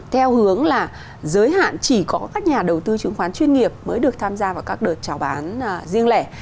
theo hướng là giới hạn chỉ có các nhà đầu tư chứng khoán chuyên nghiệp mới được tham gia vào các đợt trào bán riêng lẻ